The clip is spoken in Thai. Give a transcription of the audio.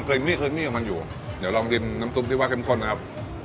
คลิงมี่ของมันอยู่เดี๋ยวลองกินน้ำตุ้มที่ว่าเครียมข้นนะครับ